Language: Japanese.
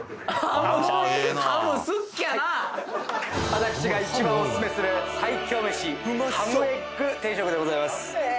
私が一番オススメする最強飯ハムエッグ定食でございますええー